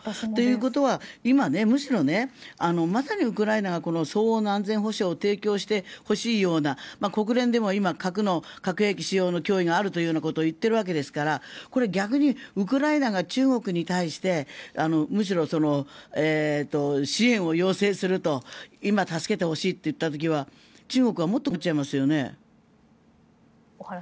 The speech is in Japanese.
ということは今むしろまさにウクライナがこの相応の安全保障を提案してほしいような国連でも核兵器使用の脅威があるということを言っているわけですからこれは逆にウクライナが中国に対してむしろ支援を要請すると今、助けてほしいと言った時は中国はもっと困っちゃいますよね。